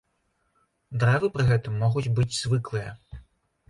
Дрэвы пры гэтым могуць быць звыклыя.